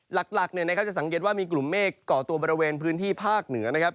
หลักจะสังเกตว่ามีกลุ่มเมฆเกาะตัวบริเวณพื้นที่ภาคเหนือนะครับ